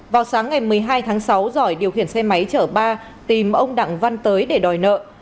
vào sáng ngày một mươi hai tháng sáu giỏi điều khiển xe máy chở ba tìm ông đặng văn tới để đòi nợ